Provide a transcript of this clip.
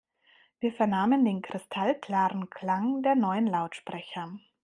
Wir vernahmen den kristallklaren Klang der neuen Lautsprecher.